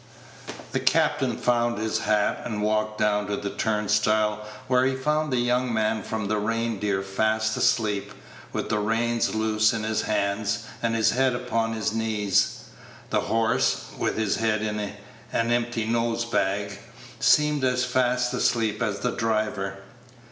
The captain found his hat, and walked down to the turnstile, where he found the young man from the "Reindeer" fast asleep, with the reins loose in his hands, and his head upon his knees. The horse, with his head in an empty nose bag, seemed as fast asleep as the driver.